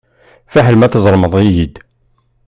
Fiḥel ma tzellmeḍ-iyi-d.